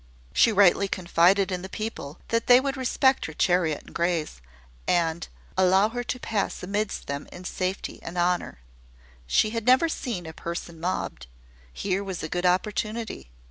She rightly confided in the people, that they would respect her chariot and greys, and allow her to pass amidst them in safety and honour. She had never seen a person mobbed. Here was a good opportunity.